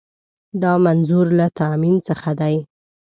دا منظور له تامین څخه دی.